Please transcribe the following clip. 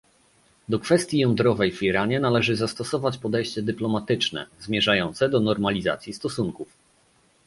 Do kwestii jądrowej w Iranie należy zastosować podejście dyplomatyczne, zmierzające do normalizacji stosunków